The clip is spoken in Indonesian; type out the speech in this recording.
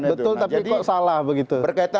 menyimak betul tapi kok salah begitu